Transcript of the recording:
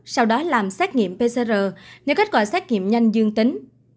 sau đó làm xét nghiệm pcr nếu kết quả xét nghiệm nhanh dương tính